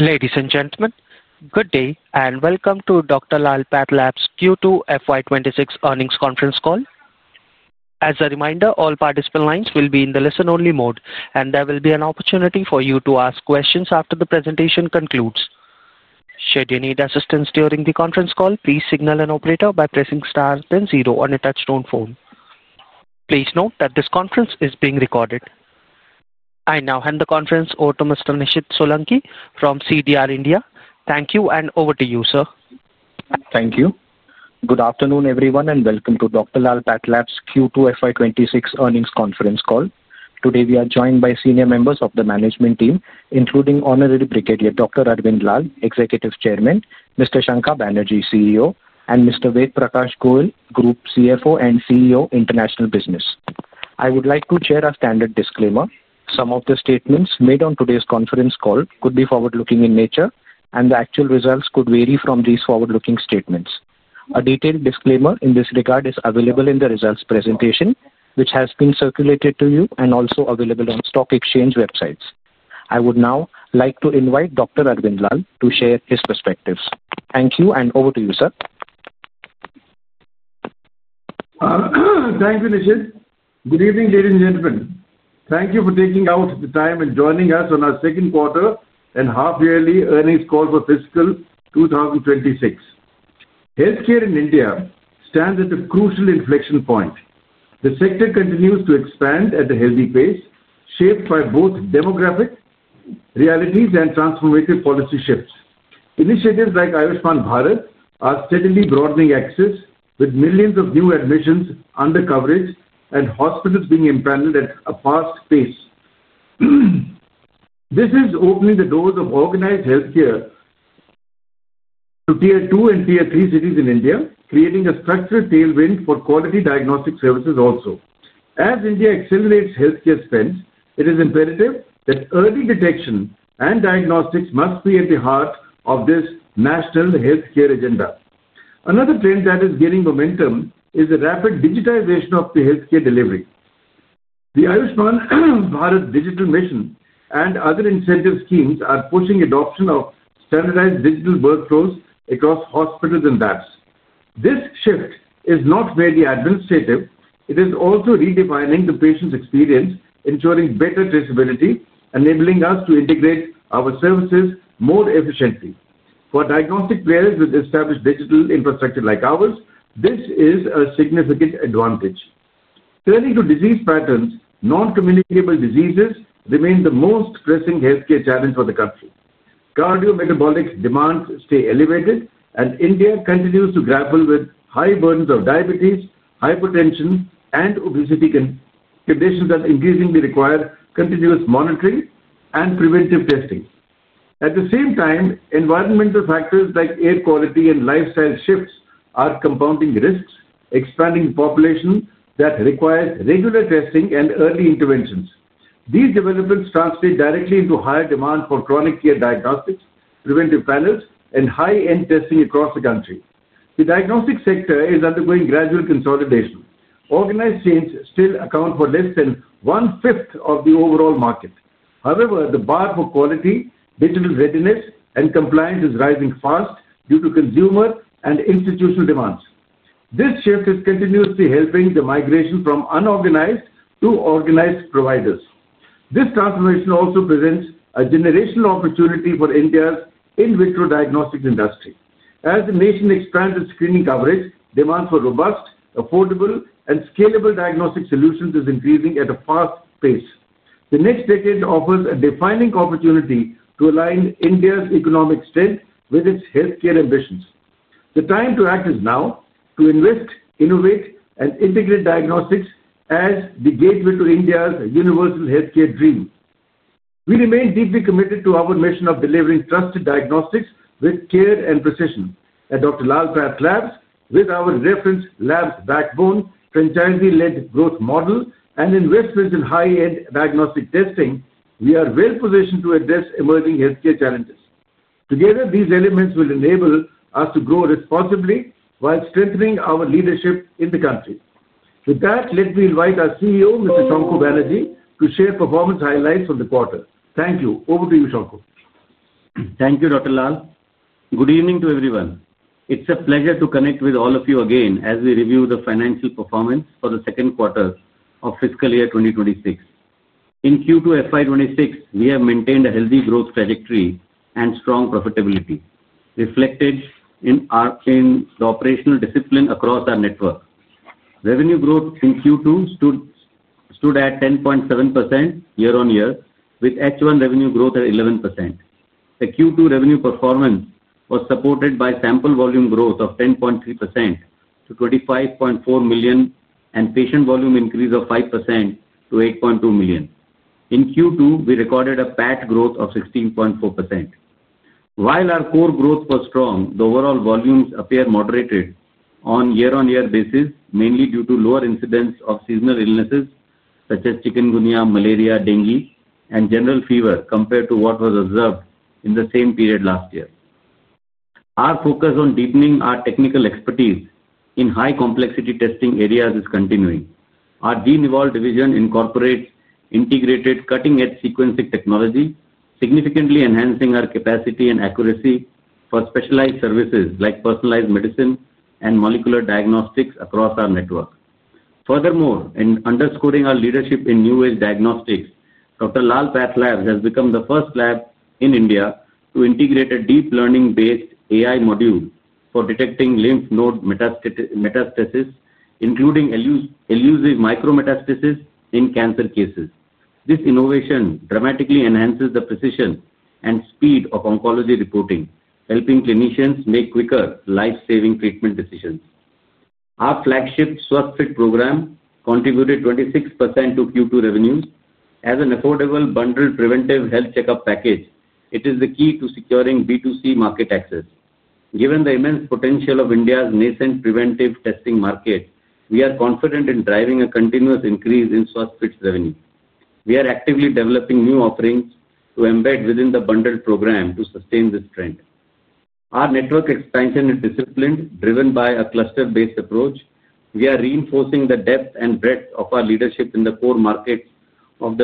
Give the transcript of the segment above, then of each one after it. Ladies and gentlemen, good day and welcome to Dr. Lal PathLabs Q2 FY 2026 earnings conference call. As a reminder, all participant lines will be in the listen-only mode, and there will be an opportunity for you to ask questions after the presentation concludes. Should you need assistance during the conference call, please signal an operator by pressing star then zero on a touch-tone phone. Please note that this conference is being recorded. I now hand the conference over to Mr. Nishid Solanki from CDR India. Thank you, and over to you, sir. Thank you. Good afternoon, everyone, and welcome to Dr. Lal PathLabs Q2 FY 2026 earnings conference call. Today, we are joined by senior members of the management team, including Honorary Brigadier Dr. Arvind Lal, Executive Chairman, Mr. Shankha Banerjee, CEO, and Mr. Ved Prakash Goel, Group CFO and CEO, International Business. I would like to share a standard disclaimer. Some of the statements made on today's conference call could be forward-looking in nature, and the actual results could vary from these forward-looking statements. A detailed disclaimer in this regard is available in the results presentation, which has been circulated to you and also available on stock exchange websites. I would now like to invite Dr. Arvind Lal to share his perspectives. Thank you, and over to you, sir. Thank you, Nishid. Good evening, ladies and gentlemen. Thank you for taking out the time and joining us on our second quarter and half-yearly earnings call for fiscal 2026. Healthcare in India stands at a crucial inflection point. The sector continues to expand at a healthy pace, shaped by both demographic realities and transformative policy shifts. Initiatives like Ayushman Bharat are steadily broadening access, with millions of new admissions under coverage and hospitals being empanelled at a fast pace. This is opening the doors of organized healthcare to Tier 2 and Tier 3 cities in India, creating a structured tailwind for quality diagnostic services also. As India accelerates Healthcare Spend, it is imperative that early detection and diagnostics must be at the heart of this National Healthcare Agenda. Another trend that is gaining momentum is the Rapid Digitization of the Healthcare Delivery. The Ayushman Bharat Digital Mission and other incentive schemes are pushing adoption of standardized digital workflows across hospitals and labs. This shift is not merely administrative, it is also redefining the patient's experience, ensuring better traceability, enabling us to integrate our services more efficiently. For diagnostic players with established digital infrastructure like ours, this is a significant advantage. Turning to disease patterns, Non-Dommunicable diseases remain the most pressing Healthcare challenge for the country. Cardiometabolic demands stay elevated, and India continues to grapple with high burdens of diabetes, hypertension, and obesity, conditions that increasingly require continuous monitoring and preventive testing. At the same time, environmental factors like air quality and lifestyle shifts are compounding risks, expanding the population that requires regular testing and early interventions. These developments translate directly into higher demand for chronic care diagnostics, preventive panels, and high-end testing across the country. The diagnostic sector is undergoing gradual consolidation. Organized chains still account for less than 1/5 of the overall market. However, the bar for quality, digital readiness, and compliance is rising fast due to consumer and institutional demands. This shift is continuously helping the migration from unorganized to organized providers. This transformation also presents a generational opportunity for India's In-Vitro Diagnostics Industry. As the nation expands its screening coverage, demand for robust, affordable, and scalable diagnostic solutions is increasing at a fast pace. The next decade offers a defining opportunity to align India's economic strength with its Healthcare ambitions. The time to act is now to invest, innovate, and integrate diagnostics as the gateway to India's universal healthcare dream. We remain deeply committed to our mission of delivering trusted diagnostics with care and precision. At Dr. Lal PathLabs, with our reference labs backbone, franchisee-led growth model, and investments in high-end diagnostic testing, we are well-positioned to address emerging healthcare challenges. Together, these elements will enable us to grow responsibly while strengthening our leadership in the country. With that, let me invite our CEO, Mr. Shankha Banerjee, to share performance highlights from the quarter. Thank you. Over to you, Shankha. Thank you, Dr. Lal. Good evening to everyone. It's a pleasure to connect with all of you again as we review the financial performance for the second quarter of fiscal year 2026. In Q2 FY 2026, we have maintained a healthy growth trajectory and strong profitability, reflected in the operational discipline across our network. Revenue growth in Q2 stood at 10.7% year-on-year, with H1 revenue growth at 11%. The Q2 revenue performance was supported by sample volume growth of 10.3% to 25.4 million and patient volume increase of 5% to 8.2 million. In Q2, we recorded a PAT growth of 16.4%. While our core growth was strong, the overall volumes appear moderated on a year-on-year basis, mainly due to lower incidence of seasonal illnesses such as chikungunya, malaria, dengue, and general fever compared to what was observed in the same period last year. Our focus on deepening our technical expertise in high-complexity testing areas is continuing. Our DNA Evolved division incorporates integrated cutting-edge sequencing technology, significantly enhancing our capacity and accuracy for specialized services like personalized medicine and molecular diagnostics across our network. Furthermore, in underscoring our leadership in new age diagnostics, Dr. Lal PathLabs has become the first lab in India to integrate a deep learning-based AI module for detecting lymph node metastasis, including elusive micro-metastasis in cancer cases. This innovation dramatically enhances the precision and speed of oncology reporting, helping clinicians make quicker, life-saving treatment decisions. Our flagship SwasthFit program contributed 26% to Q2 revenues. As an affordable bundled preventive health checkup package, it is the key to securing B2C market access. Given the immense potential of India's nascent preventive testing market, we are confident in driving a continuous increase in SwasthFit's revenue. We are actively developing new offerings to embed within the bundled program to sustain this trend. Our network expansion is disciplined, driven by a cluster-based approach. We are reinforcing the depth and breadth of our leadership in the core markets of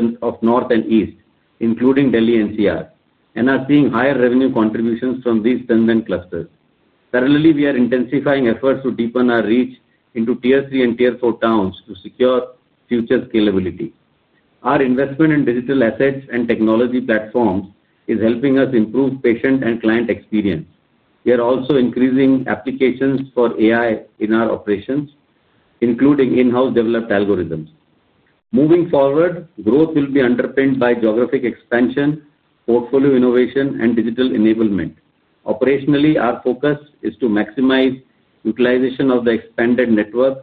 North and East, including Delhi NCR, and are seeing higher revenue contributions from these 10-man clusters. Parallelly, we are intensifying efforts to deepen our reach into Tier 3 and 4 towns to secure future scalability. Our investment in digital assets and technology platforms is helping us improve patient and client experience. We are also increasing applications for AI in our operations, including in-house developed algorithms. Moving forward, growth will be underpinned by geographic expansion, portfolio innovation, and digital enablement. Operationally, our focus is to maximize utilization of the expanded network,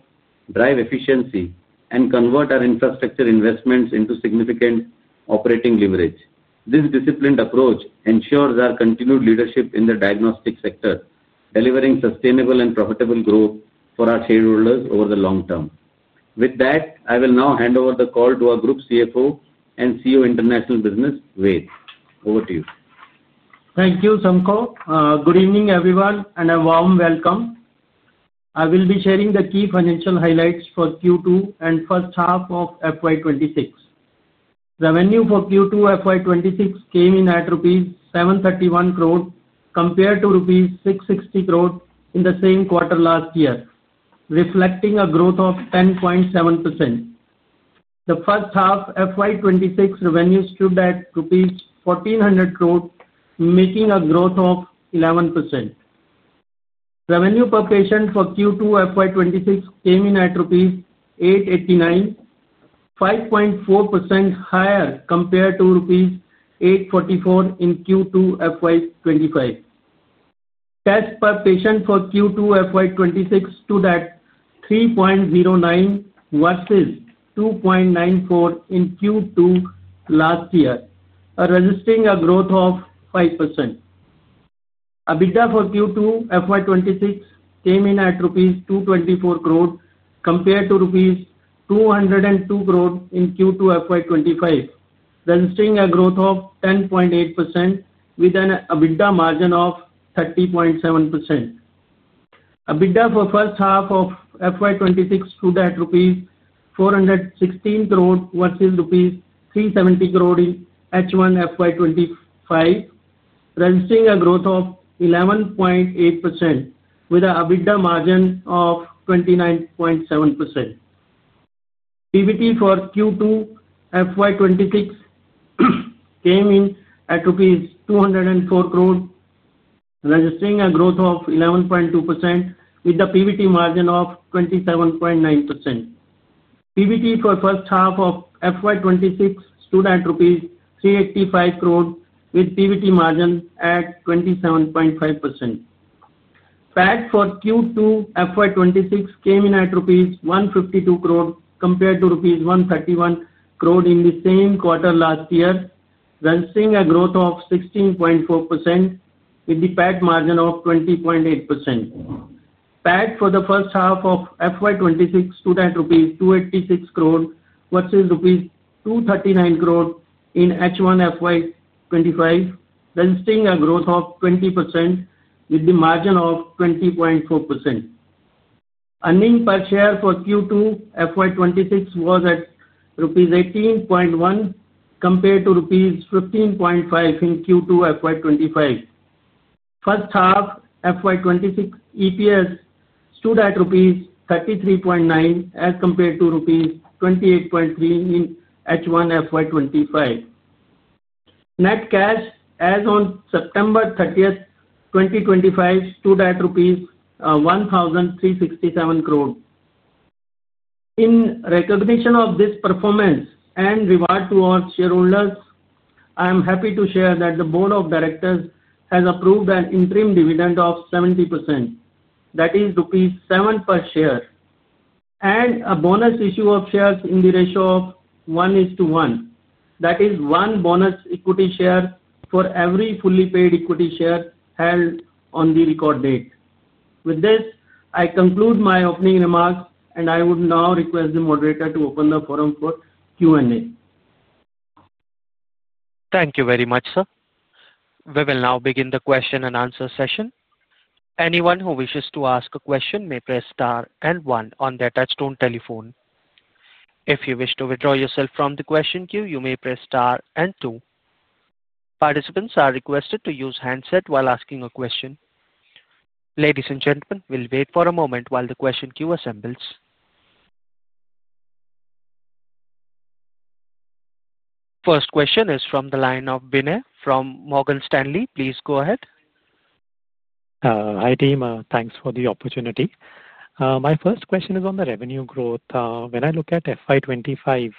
drive efficiency, and convert our infrastructure investments into significant operating leverage. This disciplined approach ensures our continued leadership in the diagnostic sector, delivering sustainable and profitable growth for our shareholders over the long term. With that, I will now hand over the call to our Group CFO and CEO, International Business, Ved. Over to you. Thank you, Shankha. Good evening, everyone, and a warm welcome. I will be sharing the key financial highlights for Q2 and first half of FY 2026. Revenue for Q2 FY 2026 came in at rupees 731 crore compared to rupees 660 crore in the same quarter last year, reflecting a growth of 10.7%. The first half FY 2026 revenue stood at rupees 1,400 crore, making a growth of 11%. Revenue per patient for Q2 FY 2026 came in at rupees 889, 5.4% higher compared to rupees 844 in Q2 FY 2025. Test per patient for Q2 FY 2026 stood at 3.09 vs 2.94 in Q2 last year, registering a growth of 5%. EBITDA for Q2 FY 2026 came in at INR 224 crore compared to INR 202 crore in Q2 FY 2025, registering a growth of 10.8% with an EBITDA margin of 30.7%. EBITDA for first half of FY 2026 stood at INR 416 crore vs INR 370 crore in H1 FY 2025, registering a growth of 11.8% with an EBITDA margin of 29.7%. PBT for Q2 FY 2026 came in at INR 204 crore, registering a growth of 11.2% with a PBT margin of 27.9%. PBT for first half of FY 2026 stood at rupees 385 crore with a PBT margin at 27.5%. PAT for Q2 FY 2026 came in at rupees 152 crore compared to rupees 131 crore in the same quarter last year, registering a growth of 16.4% with a PAT margin of 20.8%. PAT for the first half of FY 2026 stood at rupees 286 crore vs INR 239 crore in H1 FY 2025, registering a growth of 20% with a margin of 20.4%. Earnings per share for Q2 FY 2026 was at rupees 18.1 compared to rupees 15.5 in Q2 FY 2025. First half FY 2026 EPS stood at rupees 33.9 as compared to rupees 28.3 in H1 FY 2025. Net cash as of September 30, 2025, stood at INR 1,367 crore. In recognition of this performance and reward to our shareholders, I am happy to share that the Board of Directors has approved an interim dividend of 70%, that is rupees 7 per share, and a bonus issue of shares in the ratio of 1:1, that is one bonus equity share for every fully paid equity share held on the record date. With this, I conclude my opening remarks, and I would now request the moderator to open the forum for Q&A. Thank you very much, sir. We will now begin the question and answer session. Anyone who wishes to ask a question may press star and one on their touchstone telephone. If you wish to withdraw yourself from the question queue, you may press star and two. Participants are requested to use handset while asking a question. Ladies and gentlemen, we'll wait for a moment while the question queue assembles. First question is from the line of Binay from Morgan Stanley. Please go ahead. Hi team, thanks for the opportunity. My first question is on the revenue growth. When I look at FY 2025,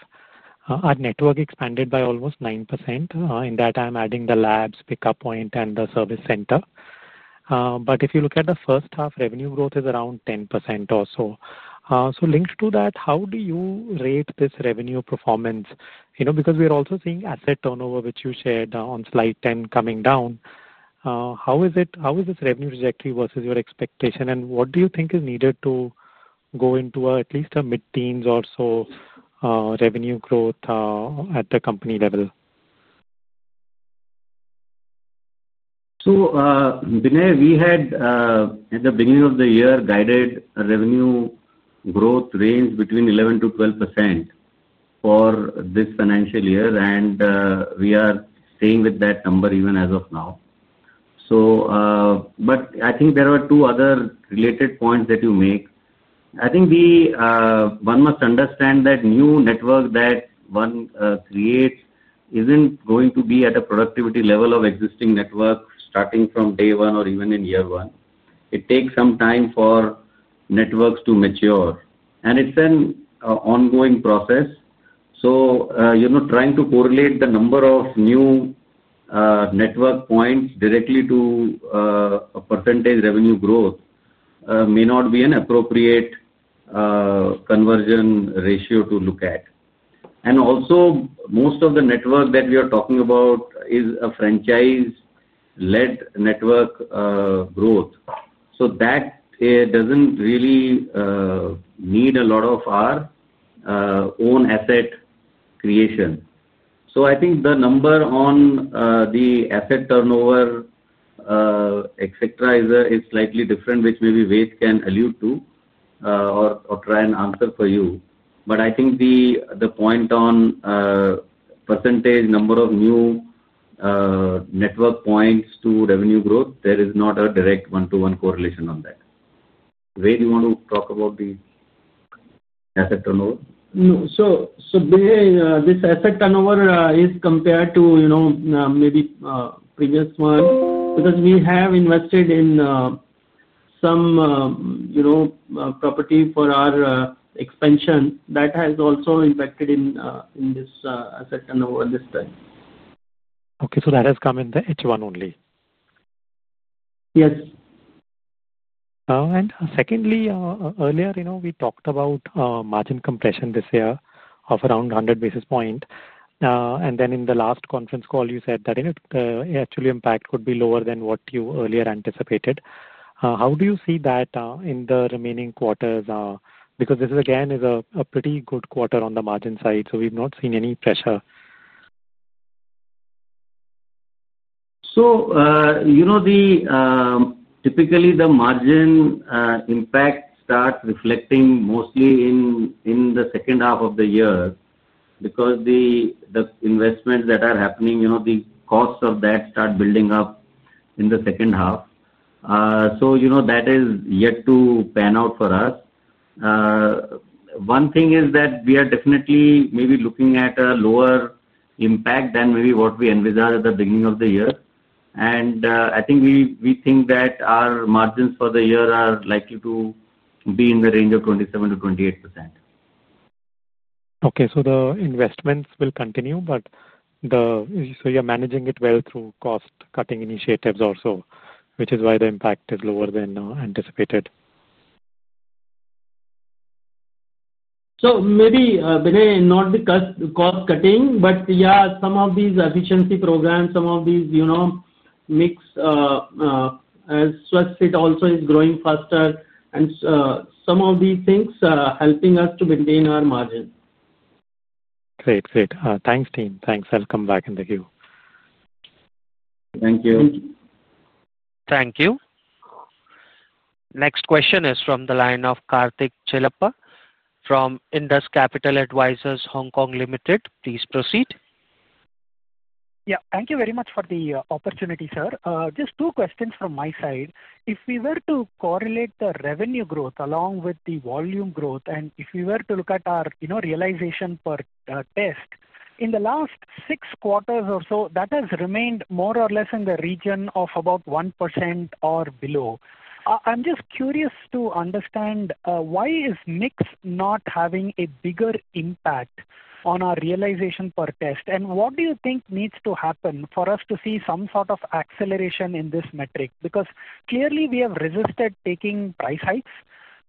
our network expanded by almost 9%. In that, I'm adding the labs, pickup point, and the service centre. If you look at the first half, revenue growth is around 10% or so. Linked to that, how do you rate this revenue performance? You know, because we're also seeing asset turnover, which you shared on slide 10, coming down. How is this revenue trajectory vs your expectation, and what do you think is needed to go into at least a mid-teens or so revenue growth at the company level? At the beginning of the year, guided revenue growth ranged between 11%-12% for this financial year, and we are staying with that number even as of now. I think there are two other related points that you make. I think one must understand that new network that one creates isn't going to be at a productivity level of existing network starting from day one or even in year one. It takes some time for networks to mature, and it's an ongoing process. Trying to correlate the number of new network points directly to a percentage revenue growth may not be an appropriate conversion ratio to look at. Also, most of the network that we are talking about is a franchise-led network growth, so that doesn't really need a lot of our own asset creation. I think the number on the asset turnover, et cetera, is slightly different, which maybe Ved can allude to or try and answer for you. I think the point on percentage number of new network points to revenue growth, there is not a direct one-to-one correlation on that. Ved, you want to talk about the asset turnover? This asset turnover is compared to, you know, maybe previous one because we have invested in some, you know, property for our expansion. That has also impacted in this asset turnover this time. Okay, so that has come in the H1 only? Yes. Secondly, earlier, you know, we talked about margin compression this year of around 100 basis points. In the last conference call, you said that actually impact could be lower than what you earlier anticipated. How do you see that in the remaining quarters? This again is a pretty good quarter on the margin side, so we've not seen any pressure. Typically, the margin impact starts reflecting mostly in the second half of the year because the investments that are happening, the costs of that start building up in the second half. That is yet to pan out for us. One thing is that we are definitely maybe looking at a lower impact than maybe what we envisaged at the beginning of the year. I think we think that our margins for the year are likely to be in the range of 27%-28%. Okay, the investments will continue, but you're managing it well through cost-cutting initiatives also, which is why the impact is lower than anticipated. Maybe, Binay, not the cost-cutting, but yeah, some of these efficiency programs, some of these, you know, mix. As SwasthFit also is growing faster, and some of these things are helping us to maintain our margin. Great, great. Thanks, team. Thanks. I'll come back in the queue. Thank you. Thank you. Thank you. Next question is from the line of Karthik Chellappa from Indus Capital Advisors Hong Kong Limited. Please proceed. Thank you very much for the opportunity, sir. Just two questions from my side. If we were to correlate the revenue growth along with the volume growth, and if we were to look at our realisation per test, in the last six quarters or so, that has remained more or less in the region of about 1% or below. I'm just curious to understand why is mix not having a bigger impact on our realisation per test? What do you think needs to happen for us to see some sort of acceleration in this metric? Clearly we have resisted taking price hikes.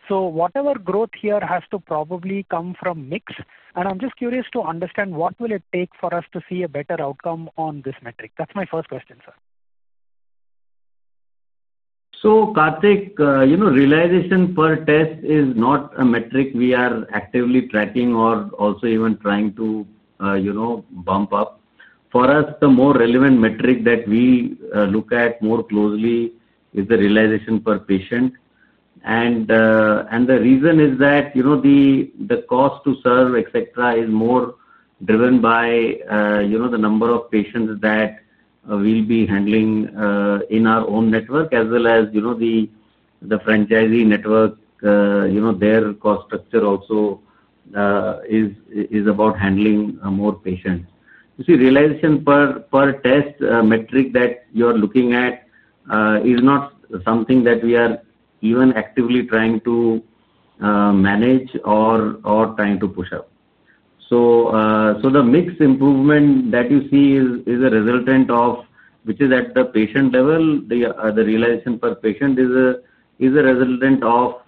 Whatever growth here has to probably come from mix. I'm just curious to understand what will it take for us to see a better outcome on this metric? That's my first question, sir. Karthik, you know, realisation per test is not a metric we are actively tracking or even trying to bump up. For us, the more relevant metric that we look at more closely is the realisation per patient. The reason is that the cost to serve, et cetera, is more driven by the number of patients that we'll be handling in our own network, as well as the franchisee network. Their cost structure also is about handling more patients. You see, realisation per test metric that you are looking at is not something that we are even actively trying to manage or trying to push up. The mix improvement that you see is a resultant of, which is at the patient level, the realisation per patient is a resultant of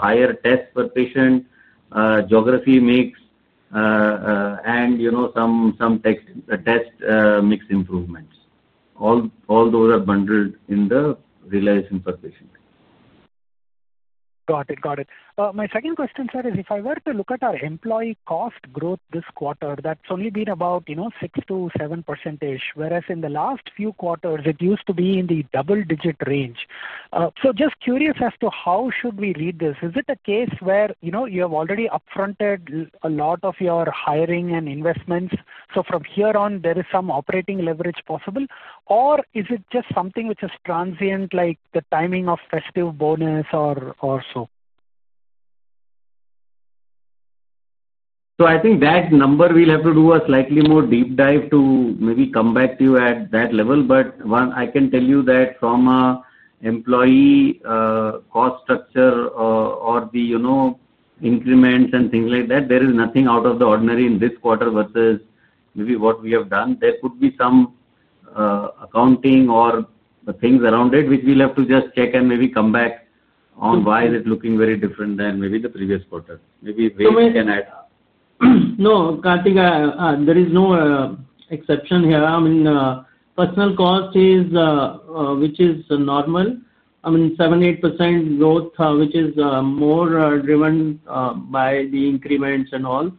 higher test per patient, geography mix, and some test mix improvements. All those are bundled in the realisation per patient. Got it, got it. My second question, sir, is if I were to look at our employee cost growth this quarter, that's only been about 6%-7%-ish, whereas in the last few quarters, it used to be in the double-digit range. Just curious as to how should we read this? Is it a case where you have already upfronted a lot of your hiring and investments? From here on, there is some operating leverage possible? Or is it just something which is transient, like the timing of festive bonus or so? I think that number, we'll have to do a slightly more deep dive to maybe come back to you at that level. One, I can tell you that from an employee cost structure or the, you know, increments and things like that, there is nothing out of the ordinary in this quarter versus maybe what we have done. There could be some accounting or the things around it, which we'll have to just check and maybe come back on why is it looking very different than maybe the previous quarter. Maybe Ved can add. No, Karthik, there is no exception here. I mean, personnel cost is, which is normal. I mean, 7%, 8% growth, which is more driven by the increments and all.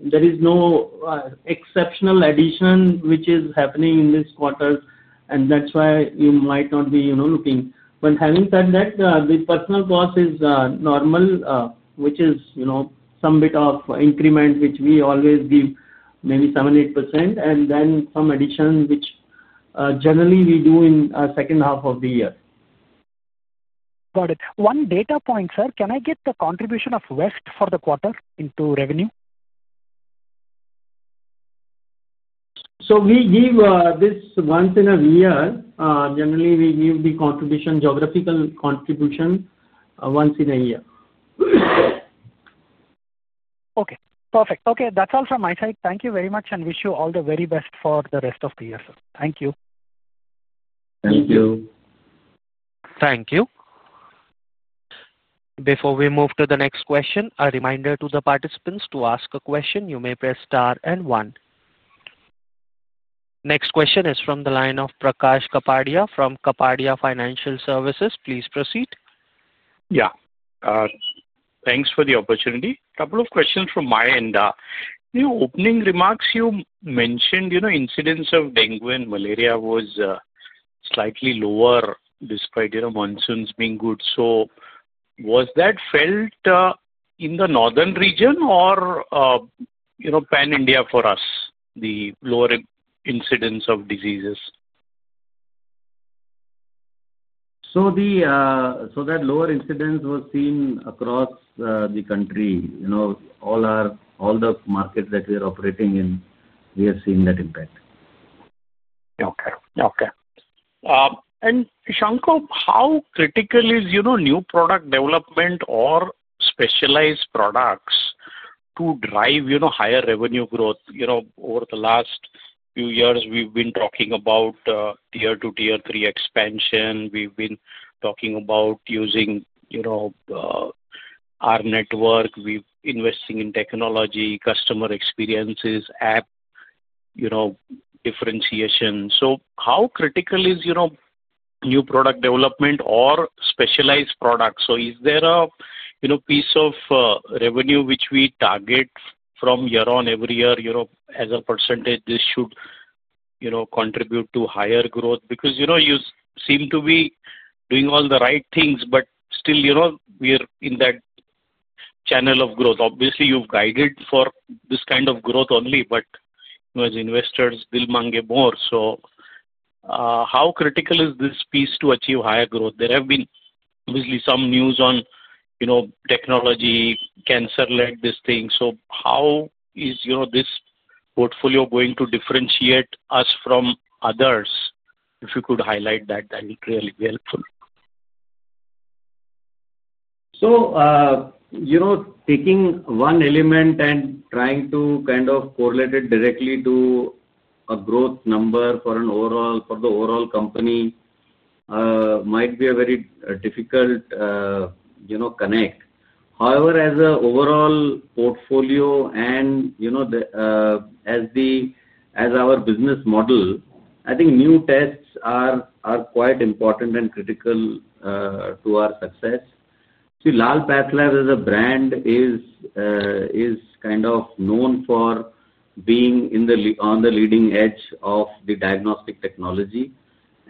There is no exceptional addition which is happening in this quarter, and that's why you might not be, you know, looking. Having said that, the personnel cost is normal, which is, you know, some bit of increment, which we always give, maybe 7%, 8%, and then some addition, which generally we do in the second half of the year. Got it. One data point, sir, can I get the contribution of West for the quarter into revenue? We give this once in a year. Generally, we give the contribution, geographical contribution, once in a year. Okay, perfect. Okay, that's all from my side. Thank you very much, and wish you all the very best for the rest of the year, sir. Thank you. Thank you. Thank you. Before we move to the next question, a reminder to the participants to ask a question. You may press star and one. Next question is from the line of Prakash Kapadia from Kapadia Financial Services. Please proceed. Yeah. Thanks for the opportunity. A couple of questions from my end. In your opening remarks, you mentioned, you know, incidence of dengue and malaria was slightly lower despite, you know, monsoons being good. Was that felt in the northern region or, you know, Pan-India for us, the lower incidence of diseases? That lower incidence was seen across the country. You know, all the markets that we are operating in, we have seen that impact. Okay. Shankha, how critical is new product development or specialized products to drive higher revenue growth? Over the last few years, we've been talking about Tier 2, Tier 3 expansion. We've been talking about using our network. We're investing in technology, customer experiences, app differentiation. How critical is new product development or specialized products? Is there a piece of revenue which we target from year on every year, as a percentage, this should contribute to higher growth? You seem to be doing all the right things, but still, we're in that channel of growth. Obviously, you've guided for this kind of growth only, but as investors, they'll mangué more. How critical is this piece to achieve higher growth? There have been obviously some news on technology, cancer-led this thing. How is this portfolio going to differentiate us from others? If you could highlight that, that would really be helpful. Taking one element and trying to kind of correlate it directly to a growth number for the overall company might be very difficult to connect. However, as an overall portfolio and as our business model, I think new tests are quite important and critical to our success. Dr. Lal PathLabs as a brand is kind of known for being on the leading edge of diagnostic technology,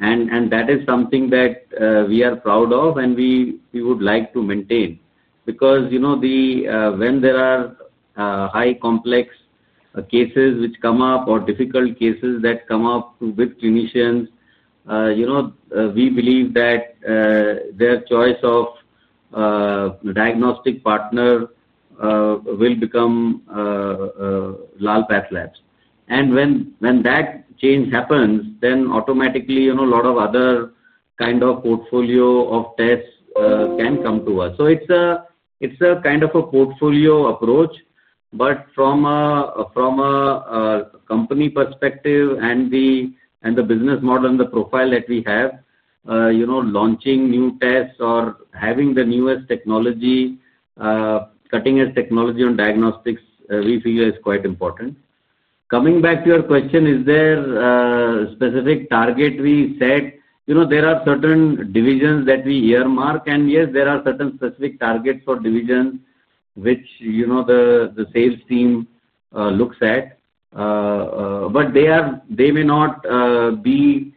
and that is something that we are proud of and we would like to maintain. When there are high-complexity cases which come up or difficult cases that come up with clinicians, we believe that their choice of diagnostic partner will become Dr. Lal PathLabs. When that change happens, then automatically a lot of other kind of portfolio of tests can come to us. It's a kind of a portfolio approach. From a company perspective and the business model and the profile that we have, launching new tests or having the newest technology, cutting-edge technology on diagnostics, we feel is quite important. Coming back to your question, is there a specific target we set? There are certain divisions that we earmark, and yes, there are certain specific targets for divisions which the sales team looks at. They may not be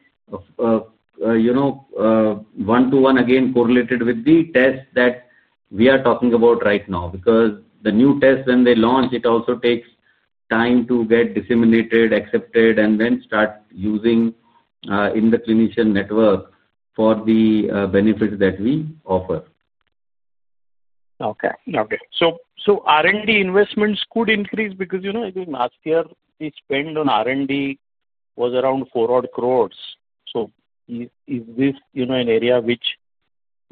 one-to-one again correlated with the tests that we are talking about right now, because the new tests, when they launch, it also takes time to get disseminated, accepted, and then start using in the clinician network for the benefits that we offer. Okay. R&D investments could increase because, you know, I think last year we spent on R&D was around 4 crore. Is this an area which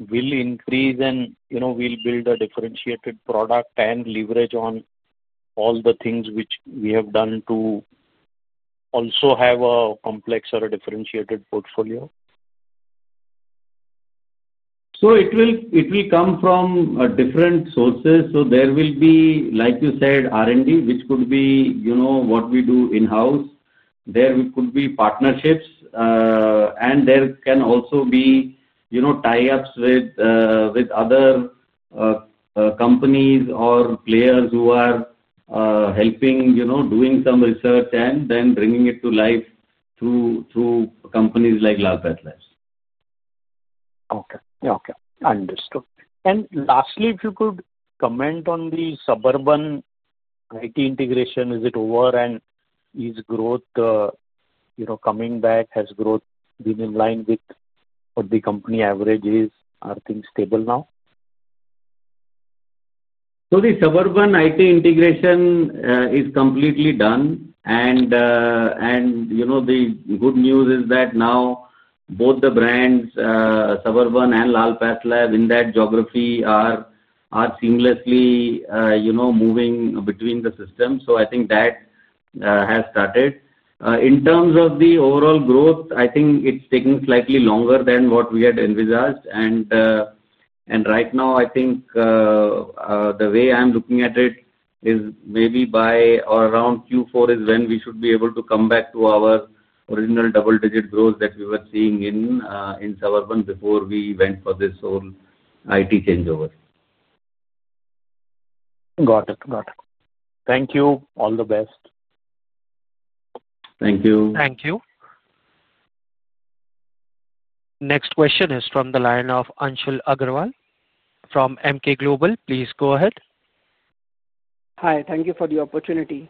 will increase and will build a differentiated product and leverage on all the things which we have done to also have a complex or a differentiated portfolio? It will come from different sources. There will be, like you said, R&D, which could be what we do in-house. There could be partnerships, and there can also be tie-ups with other companies or players who are helping, doing some research and then bringing it to life through companies like Dr. Lal PathLabs. Okay, okay. Understood. Lastly, if you could comment on the Suburban integration, is it over? Is growth coming back? Has growth been in line with what the company average is? Are things stable now? The Suburban IT integration is completely done. The good news is that now both the brands, Suburban and Dr. Lal PathLabs, in that geography are seamlessly moving between the systems. I think that has started. In terms of the overall growth, I think it's taken slightly longer than what we had envisaged. Right now, I think the way I'm looking at it is maybe by or around Q4 is when we should be able to come back to our original double-digit growth that we were seeing in Suburban before we went for this whole IT changeover. Got it, got it. Thank you. All the best. Thank you. Thank you. Next question is from the line of Anshul Agrawal from Emkay Global. Please go ahead. Hi, thank you for the opportunity.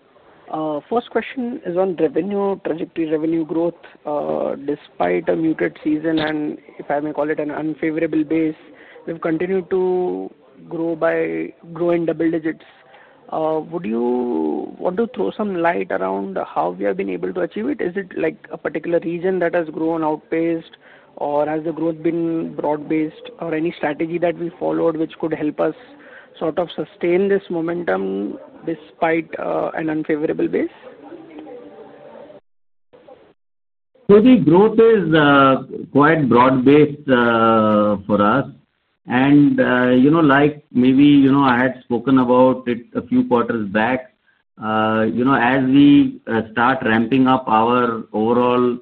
First question is on revenue trajectory, revenue growth. Despite a muted season and, if I may call it, an unfavorable base, we've continued to grow by growing double digits. Would you want to throw some light around how we have been able to achieve it? Is it like a particular region that has grown outpaced, or has the growth been broad-based, or any strategy that we followed which could help us sort of sustain this momentum despite an unfavorable base? The growth is quite broad-based for us. I had spoken about it a few quarters back. As we start ramping up our overall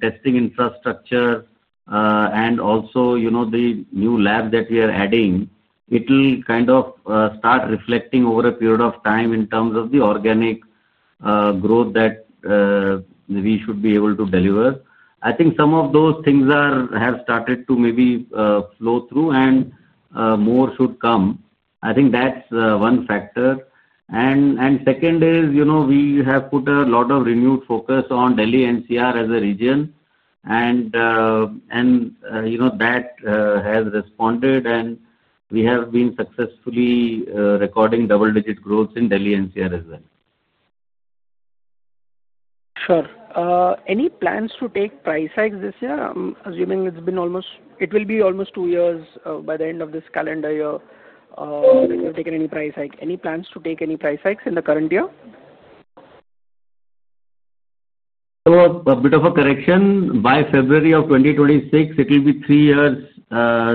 testing infrastructure and also the new labs that we are adding, it will kind of start reflecting over a period of time in terms of the organic growth that we should be able to deliver. I think some of those things have started to maybe flow through, and more should come. I think that's one factor. Second is, we have put a lot of renewed focus on Delhi NCR as a region. That has responded, and we have been successfully recording double-digit growth in Delhi NCR as well. Sure. Any plans to take price hikes this year? I'm assuming it's been almost, it will be almost two years by the end of this calendar year that you've taken any price hike. Any plans to take any price hikes in the current year? A bit of a correction. By February of 2026, it will be three years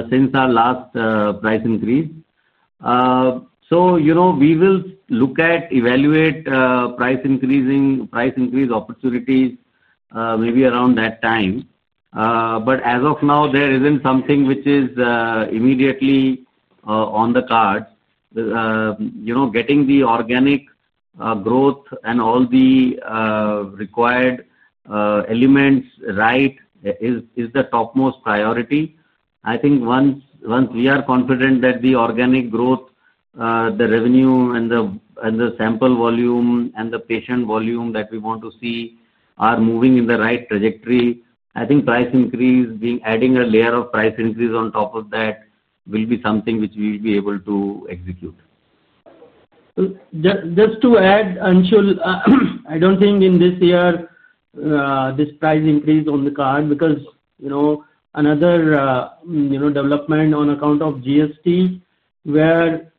since our last price increase. We will look at, evaluate price increasing opportunities maybe around that time. As of now, there isn't something which is immediately on the cards. Getting the organic growth and all the required elements right is the topmost priority. I think once we are confident that the organic growth, the revenue, and the sample volume and the patient volume that we want to see are moving in the right trajectory, I think price increase, adding a layer of price increase on top of that, will be something which we will be able to execute. Just to add, Anshul, I don't think in this year this price increase is on the card because, you know, another development on account of GST, where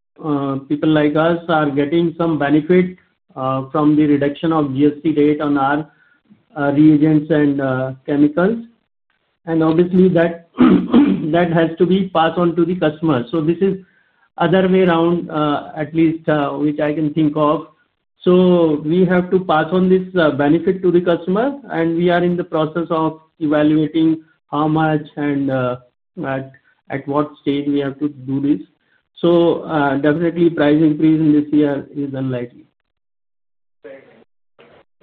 people like us are getting some benefit from the reduction of GST rate on our reagents and chemicals. Obviously, that has to be passed on to the customers. This is the other way around, at least, which I can think of. We have to pass on this benefit to the customer, and we are in the process of evaluating how much and at what stage we have to do this. Definitely, price increase in this year is unlikely.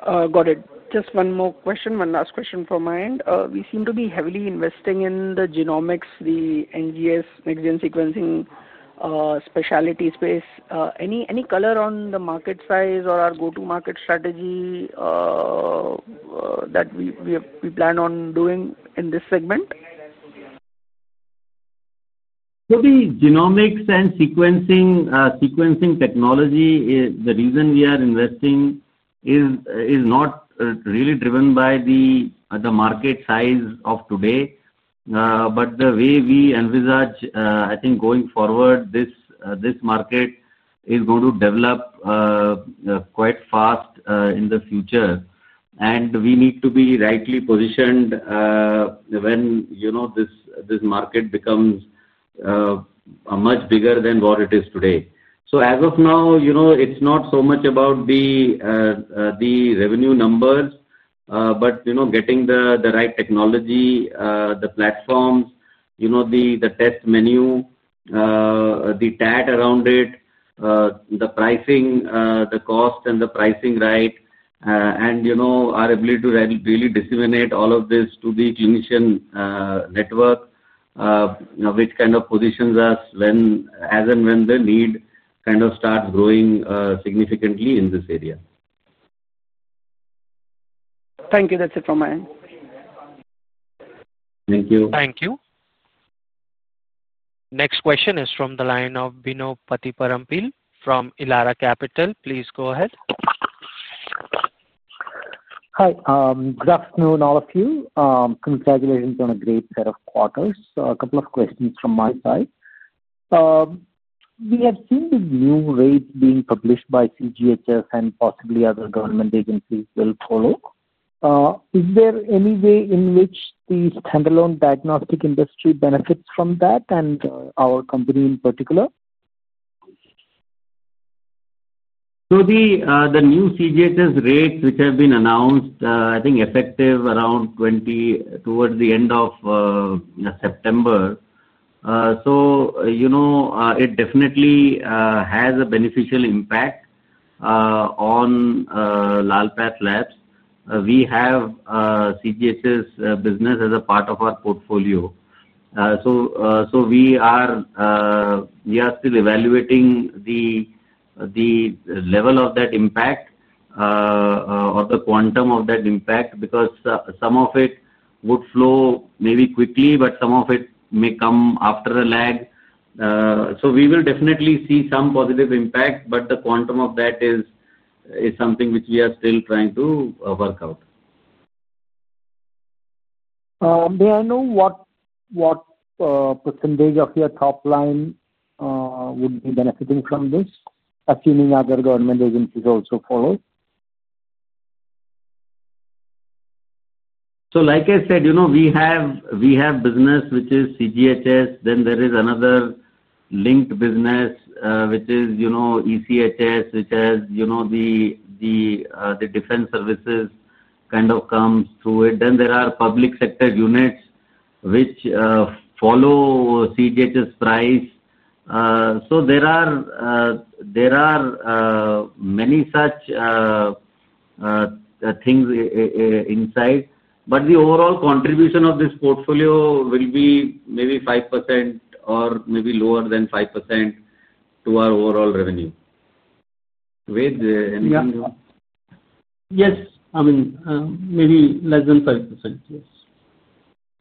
Got it. Just one more question, one last question from my end. We seem to be heavily investing in genomics, the NGS, next-gen sequencing, specialty space. Any color on the market size or our go-to-market strategy that we plan on doing in this segment? The genomics and sequencing technology, the reason we are investing is not really driven by the market size of today. The way we envisage, I think going forward, this market is going to develop quite fast in the future, and we need to be rightly positioned when, you know, this market becomes much bigger than what it is today. As of now, you know, it's not so much about the revenue numbers, but, you know, getting the right technology, the platforms, you know, the test menu, the TAT around it, the pricing, the cost, and the pricing right, and, you know, our ability to really disseminate all of this to the clinician network, which kind of positions us as and when the need kind of starts growing significantly in this area. Thank you. That's it from my end. Thank you. Thank you. Next question is from the line of Bino Pathiparampil from Elara Capital. Please go ahead. Hi. Good afternoon, all of you. Congratulations on a great set of quarters. A couple of questions from my side. We have seen the new rates being published by CGHS and possibly other government agencies will follow. Is there any way in which the standalone diagnostic industry benefits from that and our company in particular? The new CGHS rates which have been announced, I think, are effective around the end of September. It definitely has a beneficial impact on Dr. Lal PathLabs. We have CGHS business as a part of our portfolio. We are still evaluating the level of that impact or the quantum of that impact because some of it would flow maybe quickly, but some of it may come after a lag. We will definitely see some positive impact, but the quantum of that is something which we are still trying to work out. May I know what percentage of your top line would be benefiting from this, assuming other government agencies also follow? Like I said, you know, we have business which is CGHS. There is another linked business which is ECHS, which has the defense services kind of comes through it. There are public sector units which follow CGHS price. There are many such things inside. The overall contribution of this portfolio will be maybe 5% or maybe lower than 5% to our overall revenue. Wait, anything else? Yes, I mean maybe less than 5%, yes.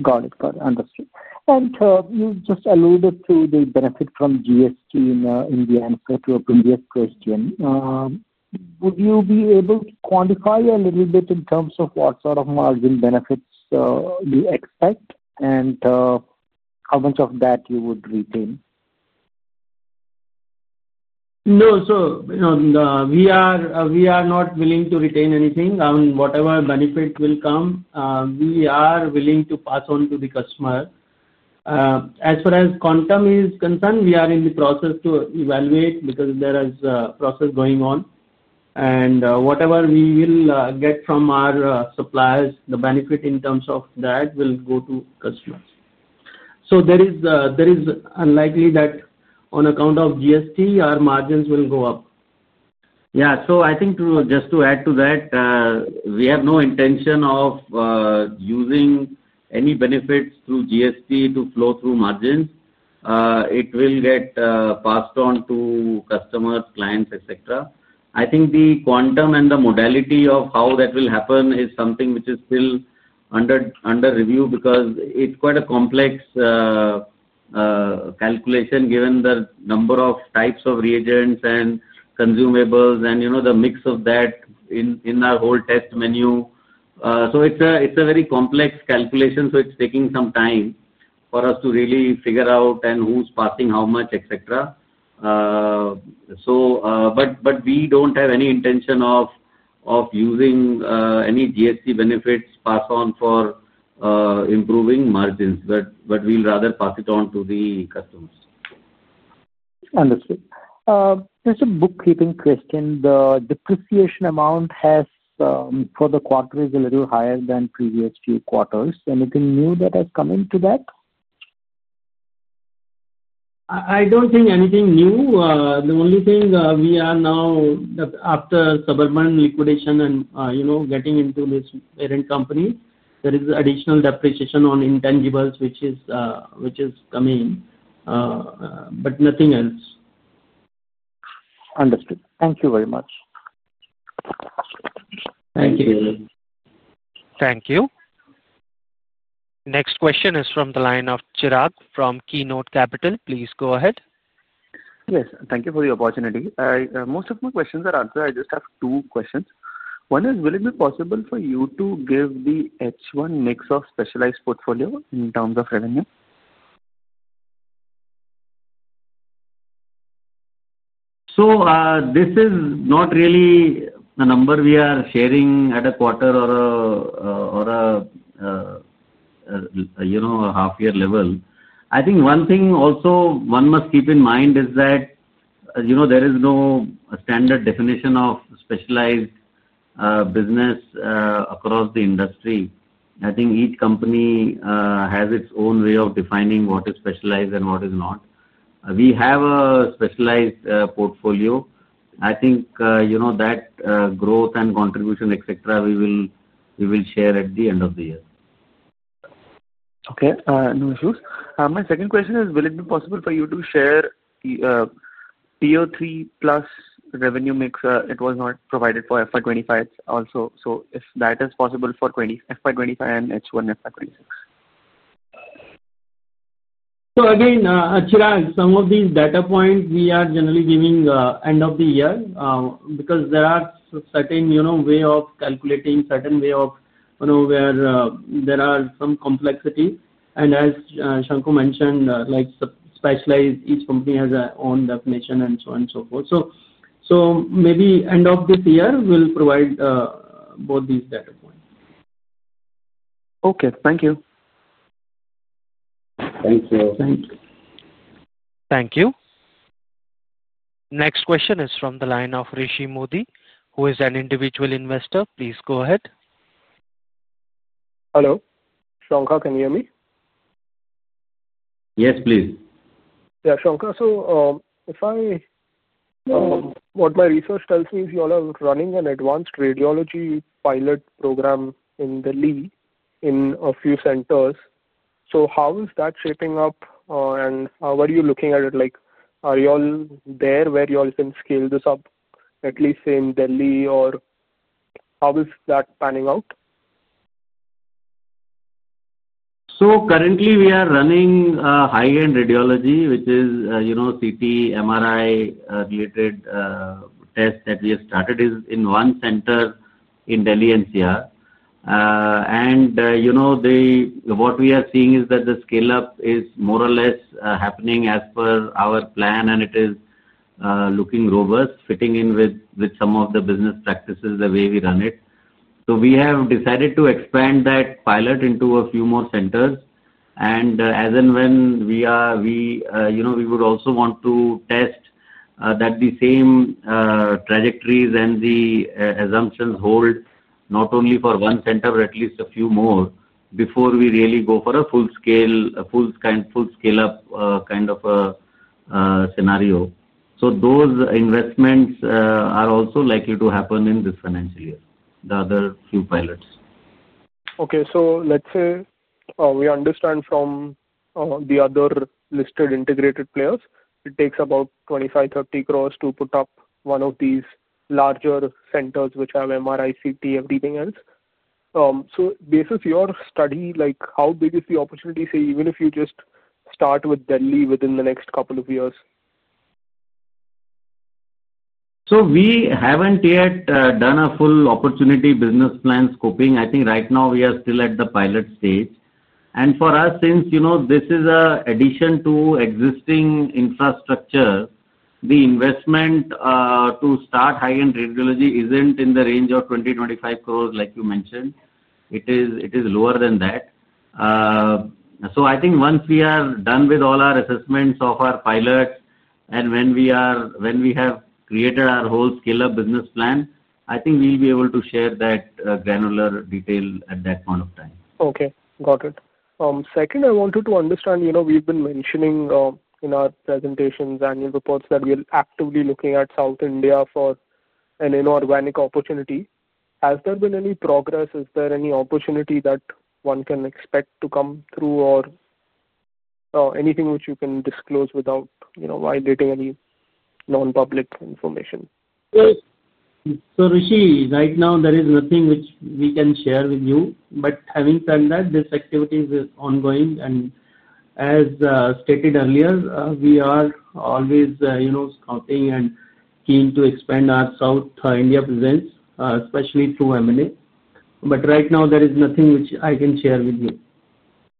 Got it. Understood. You just alluded to the benefit from GST in the answer to a previous question. Would you be able to quantify a little bit in terms of what sort of margin benefits you expect, and how much of that you would retain? No. We are not willing to retain anything. I mean, whatever benefit will come, we are willing to pass on to the customer. As far as quantum is concerned, we are in the process to evaluate because there is a process going on. Whatever we will get from our suppliers, the benefit in terms of that will go to customers. It is unlikely that on account of GST, our margins will go up. Yeah. I think just to add to that, we have no intention of using any benefits through GST to flow through margins. It will get passed on to customers, clients, etc. I think the quantum and the modality of how that will happen is something which is still under review because it's quite a complex calculation given the number of types of reagents and consumables and, you know, the mix of that in our whole test menu. It's a very complex calculation, so it's taking some time for us to really figure out and who's passing how much, etc. We don't have any intention of using any GST benefits passed on for improving margins. We'll rather pass it on to the customers. Understood. Just a bookkeeping question. The depreciation amount for the quarter is a little higher than previous few quarters. Anything new that has come into that? I don't think anything new. The only thing we are now, after Suburban Liquidation and, you know, getting into this parent company, there is additional depreciation on intangibles which is coming, but nothing else. Understood. Thank you very much. Thank you. Thank you. Next question is from the line of Chirag from Keynote Capital. Please go ahead. Yes. Thank you for the opportunity. Most of my questions are answered. I just have two questions. One is, will it be possible for you to give the H1 mix of specialized portfolio in terms of revenue? This is not really the number we are sharing at a quarter or a half-year level. I think one thing also one must keep in mind is that there is no standard definition of specialized business across the industry. I think each company has its own way of defining what is specialized and what is not. We have a specialized portfolio. I think that growth and contribution, etc., we will share at the end of the year. Okay. No issues. My second question is, will it be possible for you to share PO3 plus revenue mix? It was not provided for FY 2025 also. If that is possible for FY 2025 and H1 FY 2026. Again, Chirag, some of these data points we are generally giving end of the year because there are certain, you know, ways of calculating, certain ways of, you know, where there are some complexity. As Shankha mentioned, like specialized, each company has their own definition and so on and so forth. Maybe end of this year, we'll provide both these data points. Okay. Thank you. Thank you. Thank you. Thank you. Next question is from the line of Rishi Modi, who is an individual investor. Please go ahead. Hello. Shankha, can you hear me? Yes, please. Yeah. Shankha, if I, what my research tells me is you all are running an advanced radiology pilot program in Delhi in a few centers. How is that shaping up? How are you looking at it? Are you all there where you all can scale this up, at least in Delhi? How is that panning out? Currently, we are running high-end radiology, which is CT, MRI-related. Tests that we have started in one center in Delhi and Sihar. What we are seeing is that the scale-up is more or less happening as per our plan, and it is looking robust, fitting in with some of the business practices the way we run it. We have decided to expand that pilot into a few more centers. As and when we are, we would also want to test that the same trajectories and the assumptions hold not only for one center, but at least a few more before we really go for a full-scale scale-up kind of scenario. Those investments are also likely to happen in this financial year, the other few pilots. Okay. Let's say we understand from the other listed integrated players, it takes about 25-30 crore to put up one of these larger centers which have MRI, CT, everything else. Based on your study, how big is the opportunity, say, even if you just start with Delhi within the next couple of years? We haven't yet done a full opportunity business plan scoping. I think right now we are still at the pilot stage. For us, since this is an addition to existing infrastructure, the investment to start high-end radiology isn't in the range of 20-25 crore, like you mentioned. It is lower than that. I think once we are done with all our assessments of our pilots and when we have created our whole scale-up business plan, we'll be able to share that granular detail at that point of time. Okay. Got it. Second, I wanted to understand, you know, we've been mentioning in our presentations, annual reports, that we're actively looking at South India for an inorganic opportunity. Has there been any progress? Is there any opportunity that one can expect to come through, or anything which you can disclose without, you know, violating any non-public information? Right now there is nothing which we can share with you. Having said that, this activity is ongoing. As stated earlier, we are always, you know, scouting and keen to expand our South India presence, especially through M&A. Right now, there is nothing which I can share with you.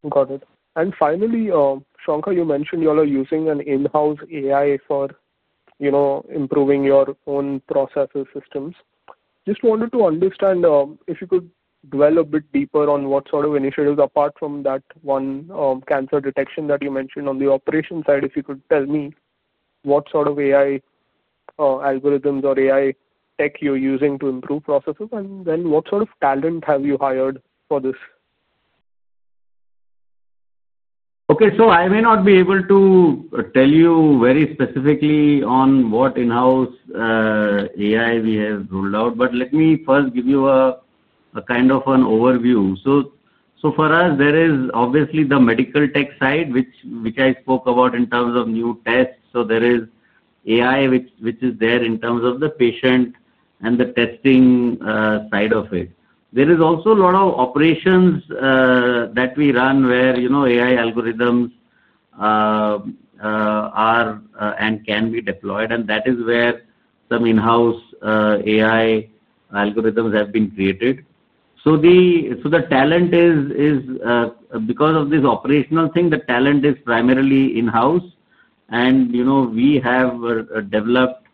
Got it. Finally, Shankha, you mentioned you all are using an in-house AI for, you know, improving your own processes, systems. Just wanted to understand if you could dwell a bit deeper on what sort of initiatives, apart from that one cancer detection that you mentioned on the operation side, if you could tell me what sort of AI algorithms or AI tech you're using to improve processes? What sort of talent have you hired for this? Okay. I may not be able to tell you very specifically on what in-house AI we have rolled out. Let me first give you a kind of an overview. For us, there is obviously the medical tech side, which I spoke about in terms of new tests. There is AI which is there in terms of the patient and the testing side of it. There is also a lot of operations that we run where AI algorithms are and can be deployed. That is where some in-house AI algorithms have been created. The talent is, because of this operational thing, primarily in-house. We have developed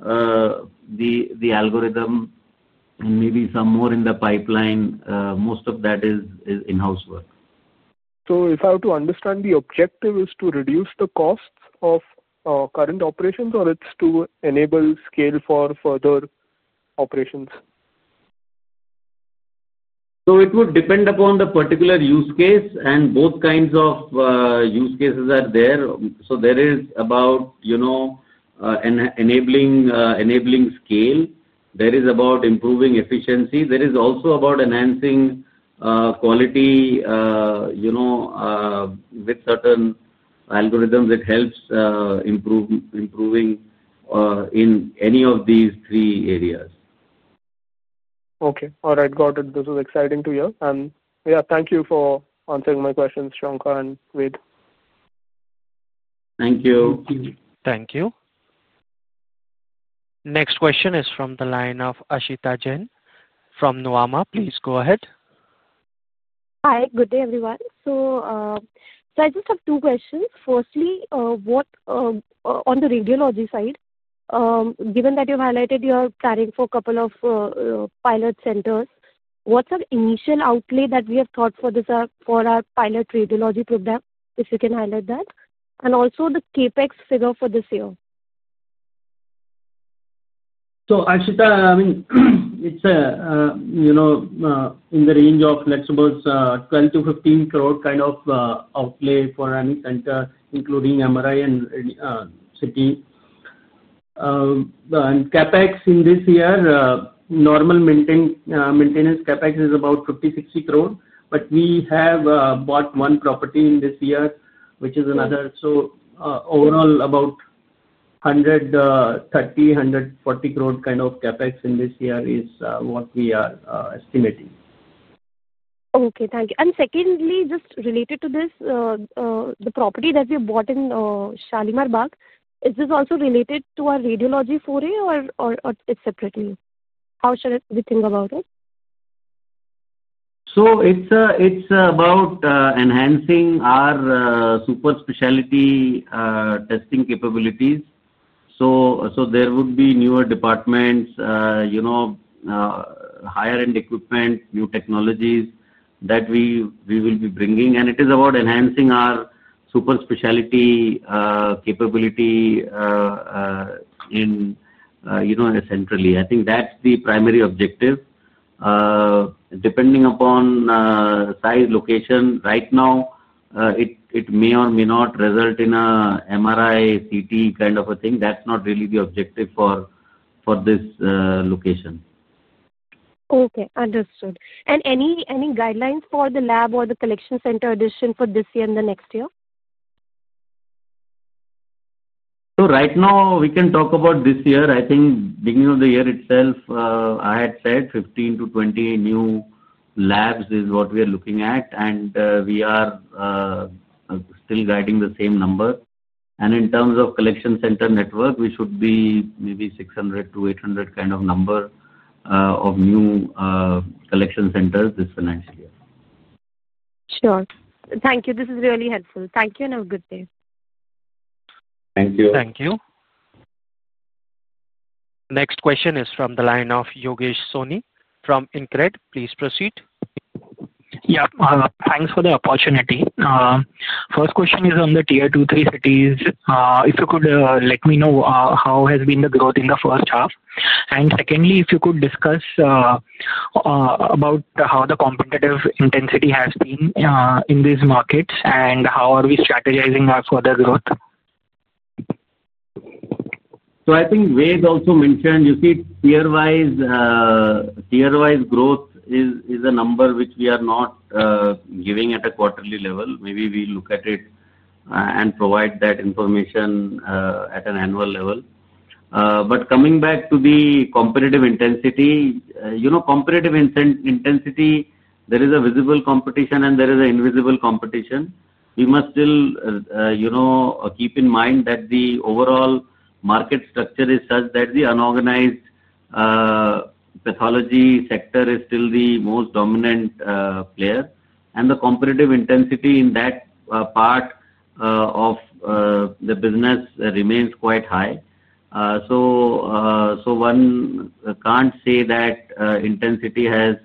the algorithm, and maybe some more in the pipeline. Most of that is in-house work. If I were to understand, the objective is to reduce the costs of current operations, or it's to enable scale for further operations? It would depend upon the particular use case. Both kinds of use cases are there. There is about enabling scale, improving efficiency, and also about enhancing quality with certain algorithms that help improving in any of these three areas. Okay. All right. Got it. This is exciting to hear. Thank you for answering my questions, Shankha and Ved Prakash Goel. Thank you. Thank you. Next question is from the line of Aashita Jain from Nuvama. Please go ahead. Hi. Good day, everyone. I just have two questions. Firstly, on the radiology side, given that you highlighted your planning for a couple of pilot centers, what's an initial outlay that we have thought for our pilot radiology program, if you can highlight that? Also, the capex figure for this year. Aashita, I mean, it's in the range of flexibles 12-15 crore kind of outlay for any center, including MRI and CT. CapEx in this year, normal maintenance CapEx is about 50, 60 crore. We have bought one property in this year, which is another. Overall, about 130, 140 crore kind of CapEx in this year is what we are estimating. Okay. Thank you. Secondly, just related to this, the property that we have bought in Shalimar Bagh, is this also related to our radiology foray or is it separate? How should we think about it? It is about enhancing our super specialty testing capabilities. There would be newer departments, higher-end equipment, and new technologies that we will be bringing. It is about enhancing our super specialty capability centrally. I think that's the primary objective. Depending upon size and location right now, it may or may not result in an MRI, CT kind of a thing. That's not really the objective for this location. Okay. Understood. Any guidelines for the lab or the collection center addition for this year and the next year? Right now, we can talk about this year. I think beginning of the year itself, I had said 15 to 20 new labs is what we are looking at. We are still guiding the same number. In terms of collection center network, we should be maybe 600 to 800 kind of number of new collection centers this financial year. Sure. Thank you. This is really helpful. Thank you, and have a good day. Thank you. Thank you. Next question is from the line of Yogesh Soni from InCred, please proceed. Yeah. Thanks for the opportunity. First question is on the Tier 2, 3 cities. If you could let me know how has been the growth in the first half. Secondly, if you could discuss about how the competitive intensity has been in these markets and how are we strategizing our further growth. I think Ved also mentioned, you see, tier-wise. Growth is a number which we are not giving at a quarterly level. Maybe we look at it and provide that information at an annual level. Coming back to the competitive intensity, you know, competitive intensity, there is a visible competition and there is an invisible competition. We must still, you know, keep in mind that the overall market structure is such that the unorganized pathology sector is still the most dominant player, and the competitive intensity in that part of the business remains quite high. One can't say that intensity has